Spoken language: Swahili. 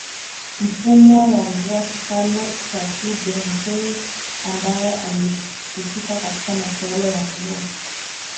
Mfumwa wa Mvua Kikala Shaghude Mtoi ambaye alisifika katika masuala ya mvua